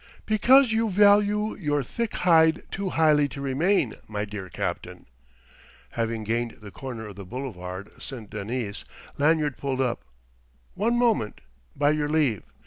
"Because you value your thick hide too highly to remain, my dear captain." Having gained the corner of the boulevard St. Denis, Lanyard pulled up. "One moment, by your leave.